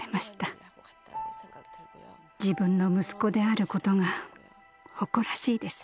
自分の息子であることが誇らしいです。